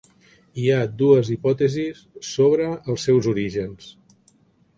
Hi ha dues hipòtesis sobre els seus orígens.